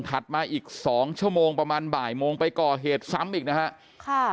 มาอีก๒ชั่วโมงประมาณบ่ายโมงไปก่อเหตุซ้ำอีกนะฮะค่ะ